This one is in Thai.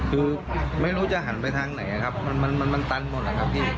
คือไม่รู้จะหันไปทางไหนครับมันตันหมดนะครับพี่